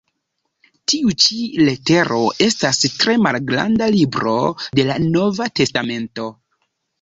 Tiu ĉi letero estas tre malgranda "libro" de la Nova testamento.